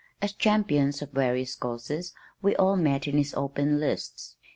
As champions of various causes we all met in his open lists.